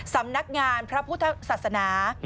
สำนักงานพระพุทธศาสนา